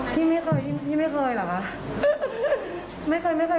พี่ไม่เคยพี่ไม่เคยเหรอคะ